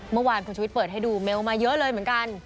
เมื่อวานคุณชุวิตเปิดให้ดูเมลมาเยอะเลยเหมือนกัน